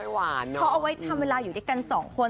เขาเอาไว้ทำเวลาอยู่ด้วยกันสองคน